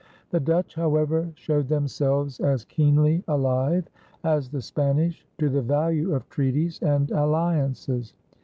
The Dutch, however, showed themselves as keenly alive as the Spanish to the value of treaties and alliances.